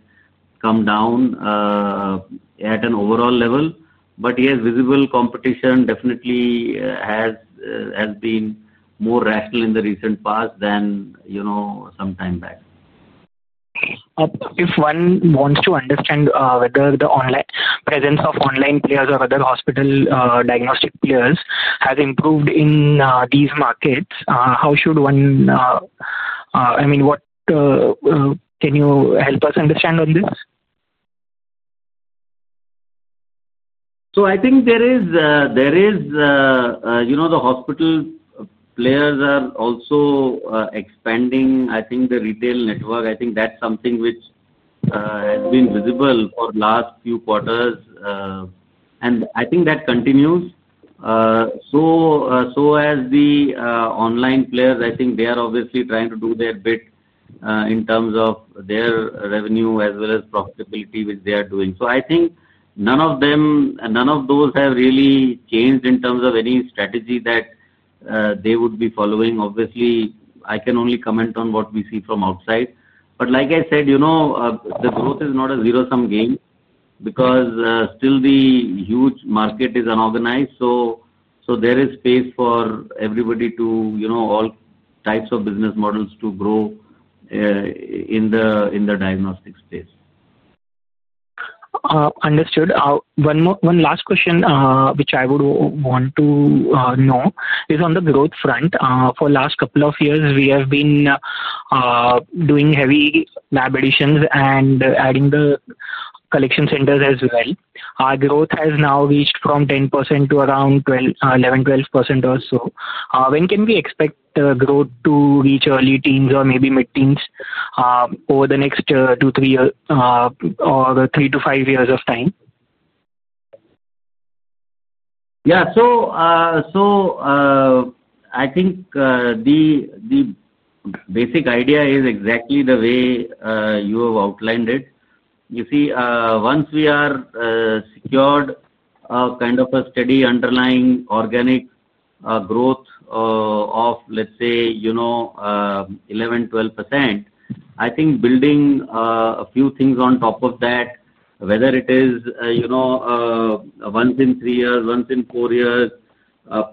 come down at an overall level. Yes, visible competition definitely has been more rational in the recent past than, you know, some time back. If one wants to understand whether the presence of online players or other hospital diagnostic players has improved in these markets, how should one? I mean, can you help us understand on this? I think the hospital players are also expanding the retail network. I think that's something which has been visible for the last few quarters, and I think that continues. As the online players, I think they are obviously trying to do their bit in terms of their revenue as well as profitability, which they are doing. I think none of them, none of those have really changed in terms of any strategy that they would be following. Obviously, I can only comment on what we see from outside. Like I said, the growth is not a zero-sum game because still the huge market is unorganized. There is space for everybody to, you know, all types of business models to grow in the diagnostic space. Understood. One last question which I would want to know is on the growth front. For the last couple of years, we have been doing heavy lab additions and adding the collection centers as well. Our growth has now reached from 10% to around 11%, 12% or so. When can we expect growth to reach early teens or maybe mid-teens over the next two, three years or three to five years of time? Yeah. I think the basic idea is exactly the way you have outlined it. You see, once we are secured kind of a steady underlying organic growth of, let's say, you know, 11, 12%, I think building a few things on top of that, whether it is, you know, once in three years, once in four years,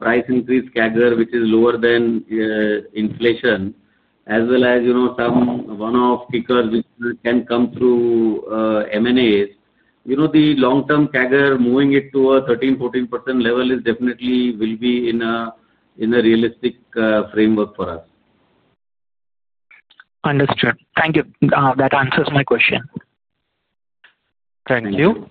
price increase CAGR, which is lower than inflation, as well as, you know, some one-off kickers which can come through M&As, you know, the long-term CAGR, moving it to a 13, 14% level, definitely will be in a realistic framework for us. Understood. Thank you. That answers my question. Thank you.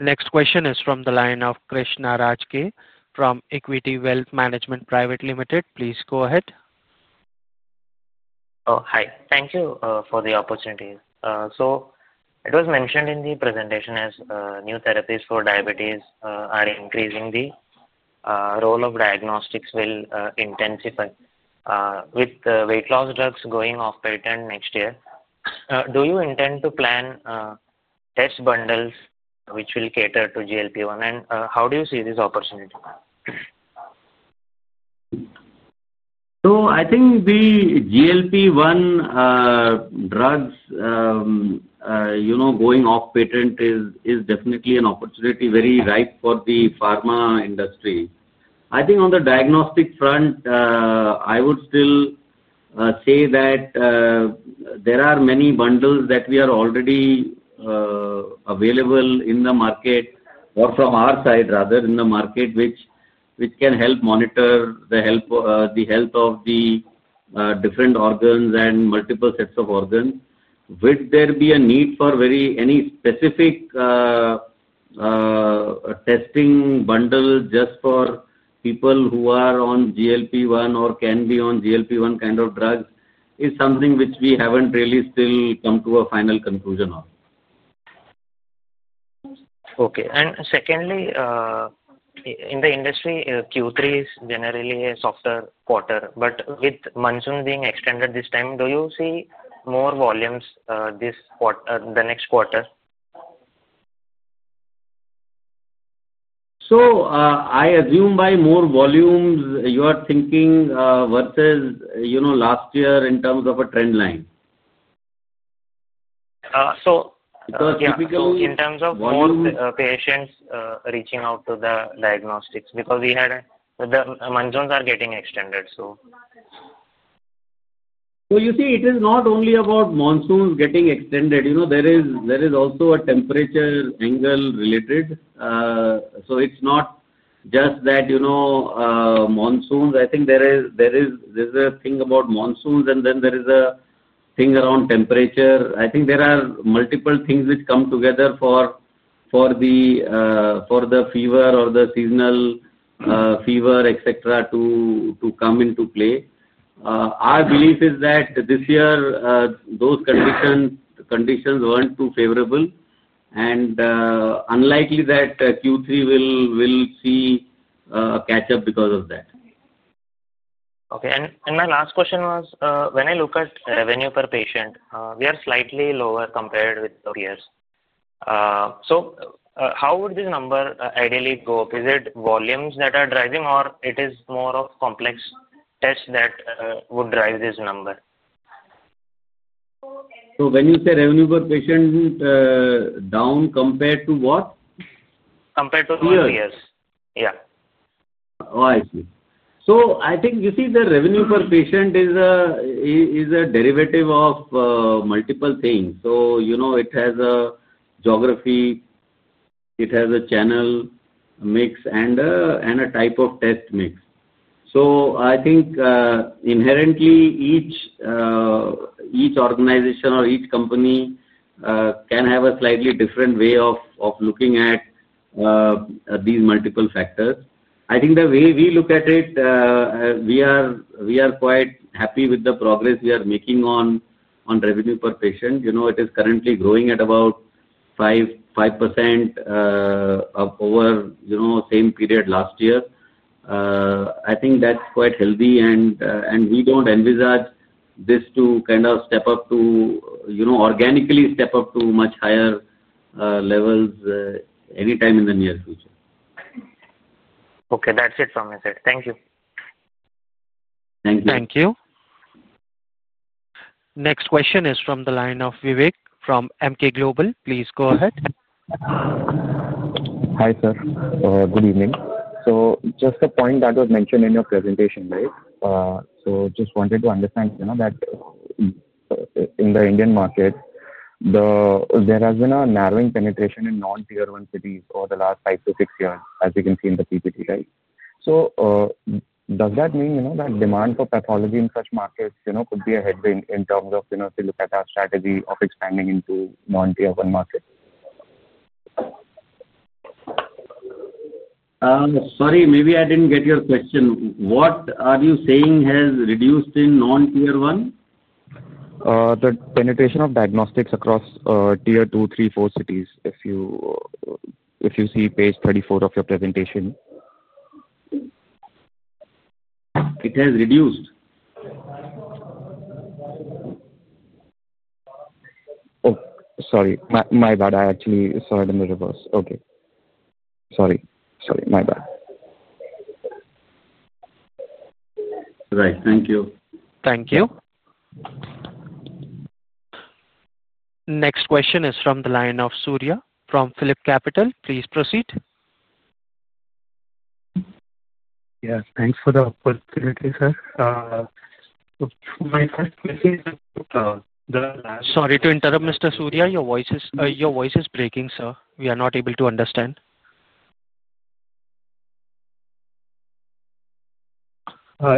Next question is from the line of Krishna Rajke from Equity Wealth Management Private Limited. Please go ahead. Hi. Thank you for the opportunity. It was mentioned in the presentation as new therapies for diabetes are increasing. The role of diagnostics will intensify. With the weight loss drugs going off patent next year, do you intend to plan test bundles which will cater to GLP-1? How do you see this opportunity? I think the GLP-1 drugs going off patent is definitely an opportunity very ripe for the pharma industry. I think on the diagnostic front, I would still say that there are many bundles that we are already available in the market, or from our side rather, in the market, which can help monitor the health of the different organs and multiple sets of organs. Would there be a need for any specific testing bundle just for people who are on GLP-1 or can be on GLP-1 kind of drugs? It's something which we haven't really still come to a final conclusion on. Okay. Secondly, in the industry, Q3 is generally a softer quarter. With monsoon being extended this time, do you see more volumes this quarter, the next quarter? I assume by more volumes, you are thinking versus last year in terms of a trend line. Typically, in terms of more patients reaching out to the diagnostics, we had the monsoons are getting extended. It is not only about monsoons getting extended. There is also a temperature angle related. It is not just that. Monsoons, I think there is a thing about monsoons, and then there is a thing around temperature. There are multiple things which come together for the fever or the seasonal fever, etc., to come into play. Our belief is that this year, those conditions weren't too favorable. It is unlikely that Q3 will see a catch-up because of that. Okay. My last question was, when I look at revenue per patient, we are slightly lower compared with the years. How would this number ideally go up? Is it volumes that are driving, or is it more of complex tests that would drive this number? When you say revenue per patient, down compared to what? Compared to the previous years, yeah. Oh, I see. I think, you see, the revenue per patient is a derivative of multiple things. It has a geography, it has a channel mix, and a type of test mix. I think inherently each organization or each company can have a slightly different way of looking at these multiple factors. I think the way we look at it, we are quite happy with the progress we are making on revenue per patient. It is currently growing at about 5% over, you know, same period last year. I think that's quite healthy. We don't envisage this to kind of step up to, you know, organically step up to much higher levels anytime in the near future. Okay. That's it from my side. Thank you. Thank you. Thank you. Next question is from the line of Vivek from MK Global. Please go ahead. Hi sir. Good evening. Just a point that was mentioned in your presentation, right? I just wanted to understand, you know, that in the Indian market, there has been a narrowing penetration in non-Tier 1 cities over the last five to six years, as you can see in the PPT, right? Does that mean, you know, that demand for pathology in such markets could be a headwind in terms of, you know, if you look at our strategy of expanding into non-Tier 1 markets? Sorry, maybe I didn't get your question. What are you saying has reduced in non-Tier 1? The penetration of diagnostic services across Tier 2, 3, 4 cities, if you see page 34 of your presentation. It has reduced? Oh, sorry. My bad. I actually saw it in the reverse. Okay. Sorry. Sorry. My bad. Right. Thank you. Thank you. Next question is from the line of Surya from PhillipCapital, please proceed. Yes, thanks for the opportunity, sir. My first question is about the. Sorry to interrupt, Mr. Surya. Your voice is breaking, sir. We are not able to understand.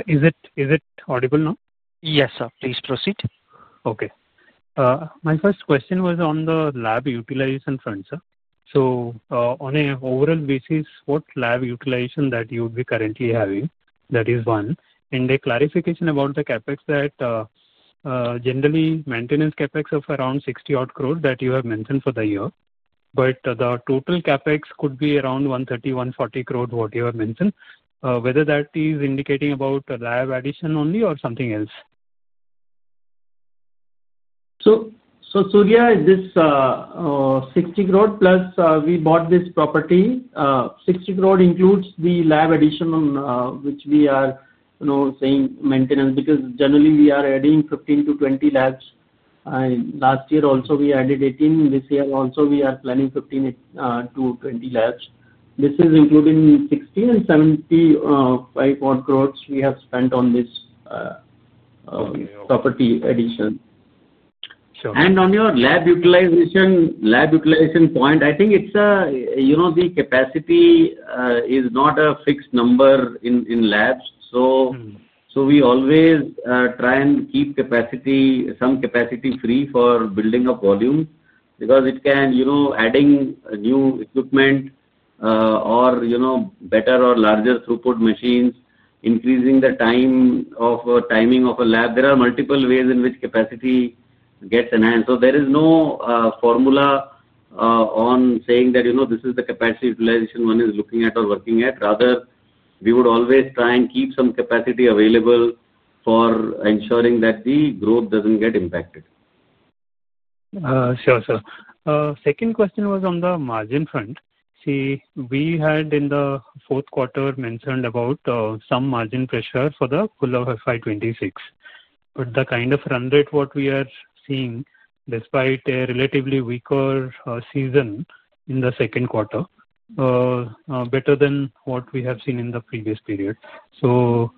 Is it audible now? Yes, sir. Please proceed. Okay. My first question was on the lab utilization front, sir. On an overall basis, what lab utilization would you be currently having? That is one. A clarification about the CapEx: generally, maintenance CapEx of around 60 crore that you have mentioned for the year, but the total CapEx could be around 130, 140 crore, what you have mentioned. Is that indicating lab addition only or something else? Surya, this 60 crore+, we bought this property. 60 crore includes the lab addition on which we are, you know, saying maintenance because generally we are adding 15-20 labs. Last year also we added 18. This year also we are planning 15-20 labs. This is including 60 and 75-odd crore we have spent on this property addition. On your lab utilization point, I think the capacity is not a fixed number in labs. We always try and keep some capacity free for building up volume because it can, you know, adding new equipment or, you know, better or larger throughput machines, increasing the timing of a lab. There are multiple ways in which capacity gets enhanced. There is no formula on saying that this is the capacity utilization one is looking at or working at. Rather, we would always try and keep some capacity available for ensuring that the growth doesn't get impacted. Sure, sir. Second question was on the margin front. We had in the fourth quarter mentioned about some margin pressure for the full FY 2026. The kind of run rate we are seeing, despite a relatively weaker season in the second quarter, is better than what we have seen in the previous period. Are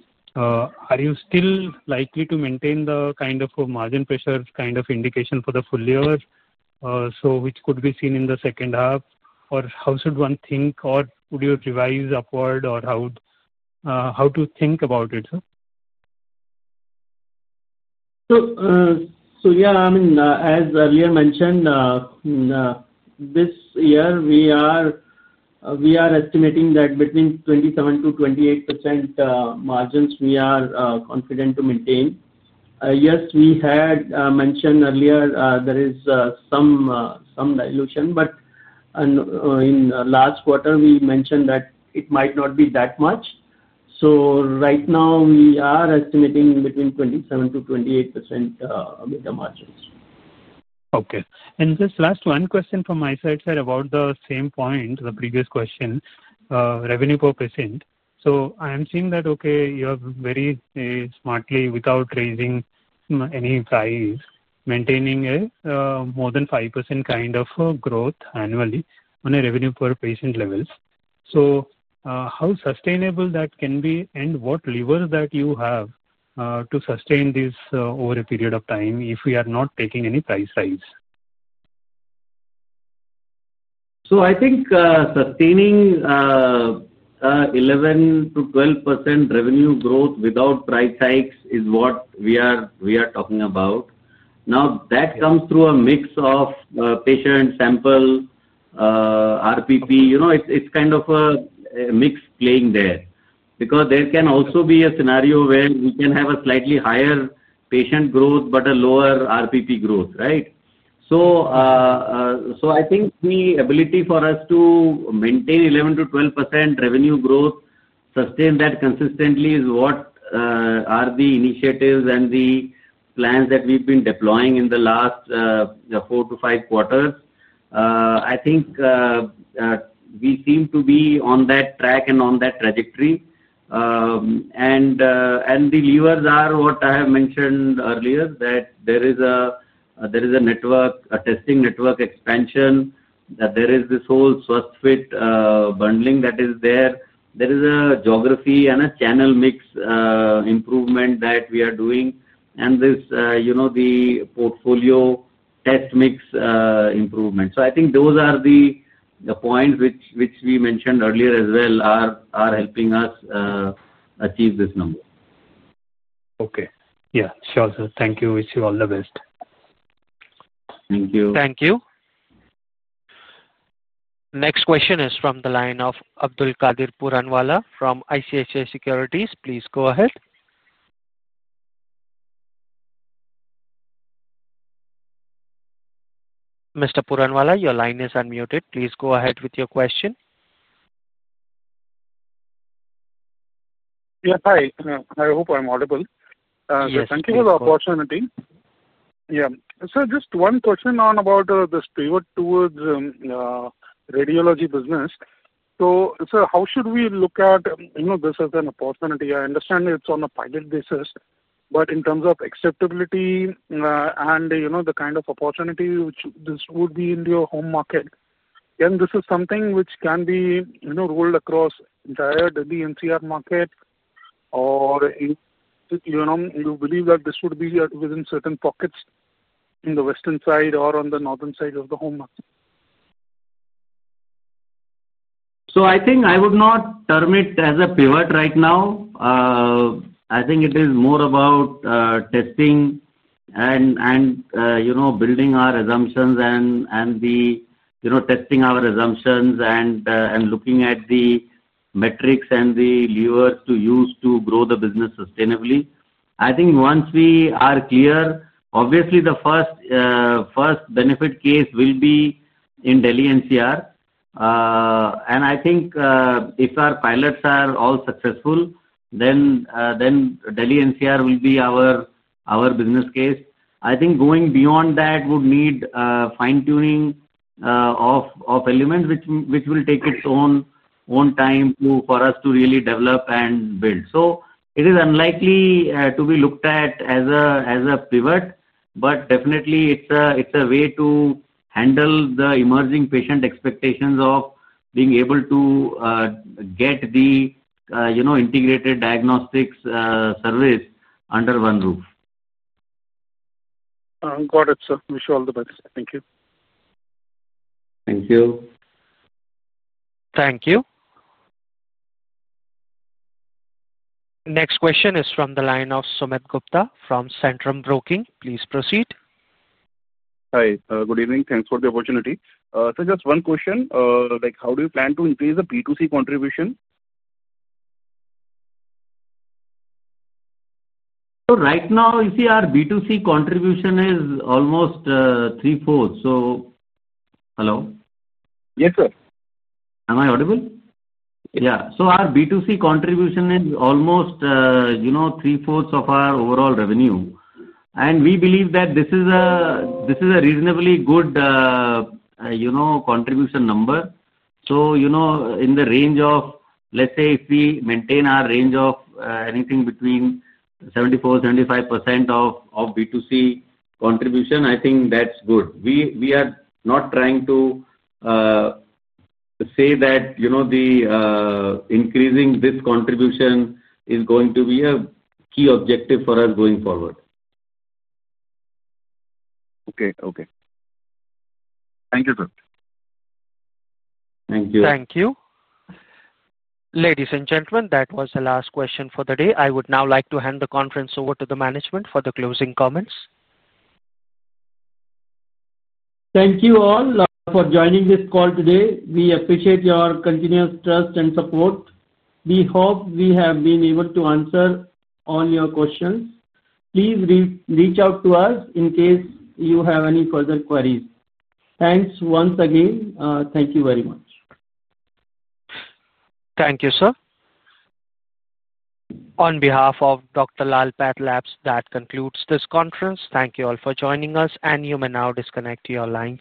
you still likely to maintain the kind of margin pressure indication for the full year, which could be seen in the second half? How should one think, or would you revise upward, or how to think about it, sir? As earlier mentioned, this year we are estimating that between 27%-28% margins we are confident to maintain. Yes, we had mentioned earlier there is some dilution. In the last quarter we mentioned that it might not be that much. Right now we are estimating between 27%-28% margins. Okay. Just last one question from my side, sir, about the same point, the previous question. Revenue per patient. I am seeing that you have very smartly, without raising any price, maintaining a more than 5% kind of growth annually on a revenue per patient level. How sustainable that can be? What levers that you have to sustain this over a period of time if we are not taking any price rise? I think sustaining 11%-12% revenue growth without price hikes is what we are talking about. That comes through a mix of patient sample, RPP. You know, it's kind of a mix playing there because there can also be a scenario where we can have a slightly higher patient growth but a lower RPP growth, right? I think the ability for us to maintain 11%-12% revenue growth, sustain that consistently, is what are the initiatives and the plans that we've been deploying in the last four to five quarters. I think we seem to be on that. track and on that trajectory. The levers are what I have mentioned earlier, that there is a network, a testing network expansion, that there is this whole SwasthFit bundling that is there. There is a geography and a channel mix improvement that we are doing, and the portfolio test mix improvement. I think those are the points which we mentioned earlier as well are helping us achieve this number. Okay. Yeah, sure. Thank you. Wish you all the best. Thank you. Thank you. Next question is from the line of Abdulkader Puranwala from ICICI Securities. Please go ahead. Mr. Puranwala, your line is unmuted. Please go ahead with your question. Yes, hi. I hope I'm audible. Yes. Thank you for the opportunity. Yeah, just one question about the spirit towards radiology business. How should we look at this as an opportunity? I understand it's on a pilot basis, but in terms of acceptability and the kind of opportunity which this would be in your home market, is this something which can be rolled across the entire Delhi NCR market, or do you believe that this would be within certain pockets in the western side or on the northern side of the home market? I would not term it as a pivot right now. I think it is more about testing and building our assumptions, testing our assumptions, and looking at the metrics and the levers to use to grow the business sustainably. I think once we are clear, obviously, the first benefit case will be in Delhi NCR. I think if our pilots are all successful, then Delhi NCR will be our business case. I think going beyond that would need fine-tuning of elements, which will take its own time for us to really develop and build. It is unlikely to be looked at as a pivot, but definitely, it's a way to handle the emerging patient expectations of being able to get the integrated diagnostics service under one roof. Got it, sir. Wish you all the best. Thank you. Thank you. Thank you. Next question is from the line of Sumit Gupta from Centrum Broking. Please proceed. Hi. Good evening. Thanks for the opportunity. Just one question. How do you plan to increase the B2C contribution? Right now, you see, our B2C contribution is almost three-fourths. Hello? Yes, sir. Am I audible? Yeah. Our B2C contribution is almost three-fourths of our overall revenue, and we believe that this is a reasonably good contribution number. In the range of, let's say, if we maintain our range of anything between 74%-75% of B2C contribution, I think that's good. We are not trying to say that increasing this contribution is going to be a key objective for us going forward. Okay. Okay. Thank you, sir. Thank you. Thank you. Ladies and gentlemen, that was the last question for the day. I would now like to hand the conference over to the management for the closing comments. Thank you all for joining this call today. We appreciate your continuous trust and support. We hope we have been able to answer all your questions. Please reach out to us in case you have any further queries. Thanks once again. Thank you very much. Thank you, sir. On behalf of Dr. Lal PathLabs, that concludes this conference. Thank you all for joining us, and you may now disconnect your lines.